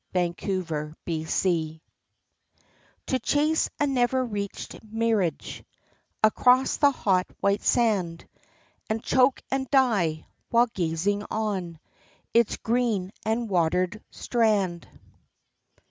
VOLUPTAS To chase a never reached mirage Across the hot, white sand, And choke and die, while gazing on Its green and watered strand.